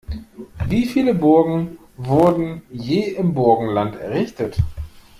Wie viele Burgen wurden je im Burgenland errichtet?